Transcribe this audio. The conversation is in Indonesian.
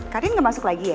karin gak masuk lagi ya